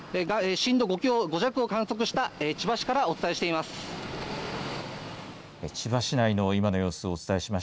震度５弱を観測した千葉市からお伝えしています。